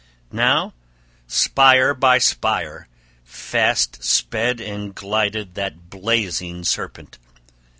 Now, spire by spire, fast sped and glided that blazing serpent.